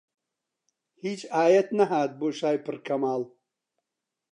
هیچ ئایەت نەهات بۆ شای پڕ کەماڵ